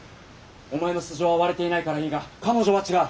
お前の素性は割れていないからいいが彼女は違う。